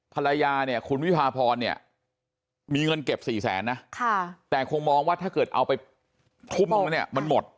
ภรรยาเนี่ยคุณวิพาพรเนี่ยมีเงินเก็บ๔แสนนะแต่คงมองว่าถ้าเกิดเอาไปทุ่มนึงแล้วเนี่ยมันหมด